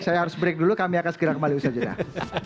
saya harus break dulu kami akan segera kembali usaha jeda